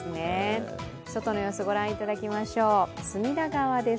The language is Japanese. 外の様子を御覧いただきましょう、隅田川です。